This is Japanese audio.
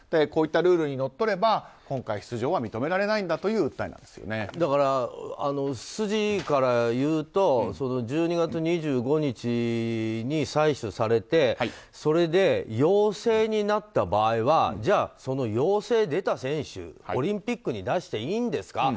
こういったルールにのっとれば今回、出場は認められないだから、筋からいうと１２月２５日に採取されてそれで陽性になった場合はじゃあ、その陽性が出た選手オリンピックに出していいんですか。